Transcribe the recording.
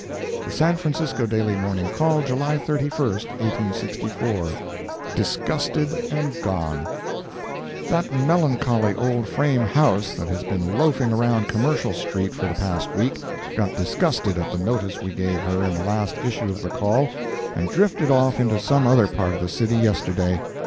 The San Francisco Daily Morning Call, July 31, 1864 DISGUSTED AND GONE That melancholy old frame house that has been loafing around Commercial street for the past week, got disgusted at the notice we gave her in the last issue of the CALL, and drifted off into some other part of the city yesterday.